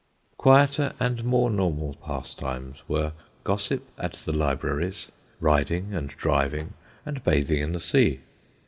Quieter and more normal pastimes were gossip at the libraries, riding and driving, and bathing in the sea.